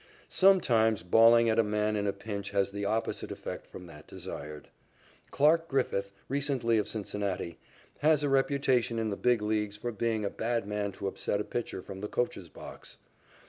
Sometimes bawling at a man in a pinch has the opposite effect from that desired. Clarke Griffith, recently of Cincinnati, has a reputation in the Big Leagues for being a bad man to upset a pitcher from the coacher's box.